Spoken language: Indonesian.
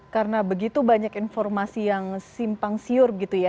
karena begitu banyak informasi yang simpang siur gitu ya